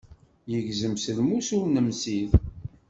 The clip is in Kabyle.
Igezzem s lmus ur nemsid.